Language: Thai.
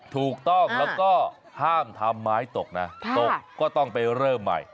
ถูกต้องแล้วก็ห้ามทำไม้ตกนะตกก็ต้องไปเริ่มใหม่